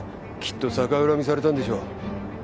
きっと逆恨みされたんでしょう。